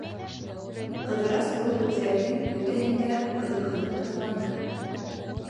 Ҡыҙырас был һүҙҙәрҙең бөтәһен дә ҡыҙыҡһынып тыңланы.